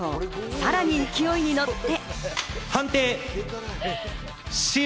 さらに勢いに乗って。